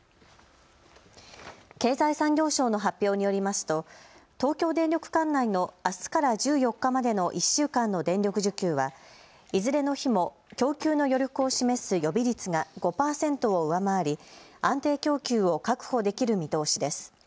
経済産業省の発表によりますと東京電力管内のあすから１４日までの１週間の電力需給はいずれの日も供給の余力を示す予備率が５％を上回り安定供給を確保できる見通しです。